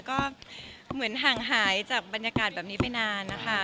ก็เหมือนห่างหายจากบรรยากาศแบบนี้ไปนานนะคะ